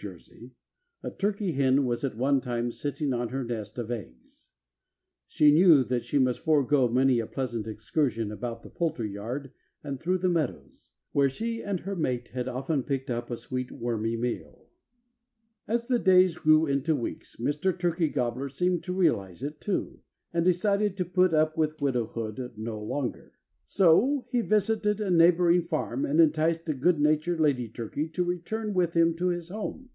J., a turkey hen was at one time sitting on her nest of eggs. She knew that she must forego many a pleasant excursion about the poultry yard and through the meadows, where she and her mate had often picked up a sweet wormy meal. As the days grew into weeks Mr. Turkey Gobbler seemed to realize it, too, and decided to put up with widowhood no longer. So he visited a neighboring farm and enticed a good natured lady turkey to return with him to his home.